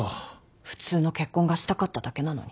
普通の結婚がしたかっただけなのに。